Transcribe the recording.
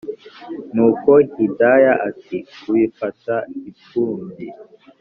nuko hidaya ati”kubita ipfubyi